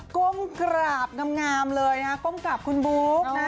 ก้มกราบงามเลยนะฮะก้มกราบคุณบุ๊กนะ